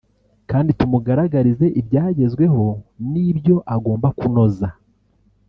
kandi tumugaragarize ibyagezweho n’ibyo agomba kunoza